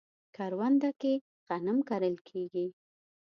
کرونده کې غنم کرل کیږي